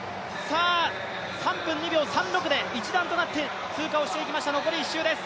３分２秒３６で一段となって通過をしていきました、残り１周です。